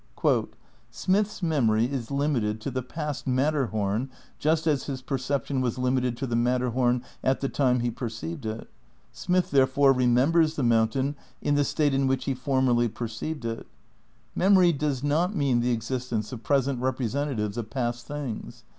"Smith's memory is limited to the past Matterhom just as his perception was limited to the Matterhom at the time he perceived it. ... Smith, therefore, remembers the mountain in the state in which he formerly perceived it. ... Memory does not mean the existence of present representatives of past things.